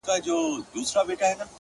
زما سره اوس لا هم د هغي بېوفا ياري ده،